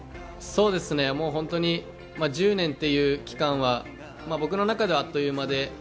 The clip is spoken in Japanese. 本当に１０年という期間は僕の中では、あっという間で。